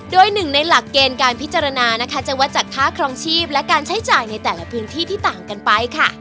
โดยหนึ่งในหลักเกณฑ์การพิจารณานะคะจะวัดจากค่าครองชีพและการใช้จ่ายในแต่ละพื้นที่ที่ต่างกันไปค่ะ